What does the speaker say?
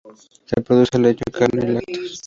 Se produce leche, carne y lácteos.